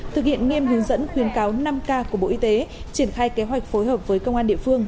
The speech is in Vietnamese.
thực hiện nghiêm hướng dẫn khuyến cáo năm k của bộ y tế triển khai kế hoạch phối hợp với công an địa phương